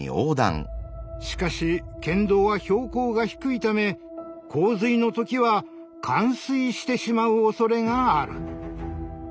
しかし県道は標高が低いため洪水の時は冠水してしまうおそれがある。